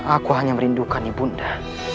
aku hanya merindukan ibu nda